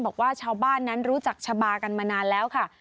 บอกว่าชาวบ้านนั้นรู้จักชะบากันมานานแล้วค่ะ